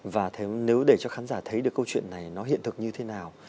và nếu để cho khán giả thấy được câu chuyện này nó hiện thực như thế nào